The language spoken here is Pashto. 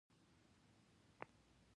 پر ناموسونو له یرغلونو او شورونو ډک و.